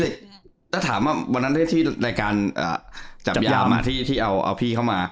ถ้าถามว่าวันนั้นได้ที่รายการจับยามที่เอาพี่เข้ามา